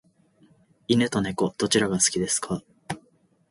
犬と猫とどちらが好きですか？